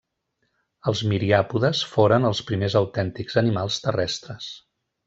Els miriàpodes foren els primers autèntics animals terrestres.